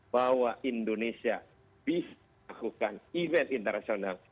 bahwa indonesia bisa melakukan event internasional